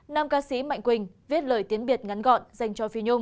nam ca sĩ mạnh quỳnh viết lời tiếng biệt ngắn gọn dành cho phi nhung